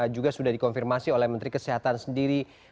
juga sudah dikonfirmasi oleh menteri kesehatan sendiri